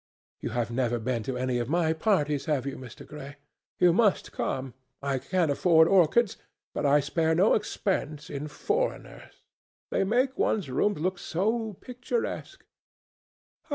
You have never been to any of my parties, have you, Mr. Gray? You must come. I can't afford orchids, but I spare no expense in foreigners. They make one's rooms look so picturesque.